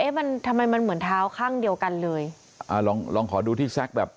มันทำไมมันเหมือนเท้าข้างเดียวกันเลยอ่าลองลองขอดูที่แซคแบบ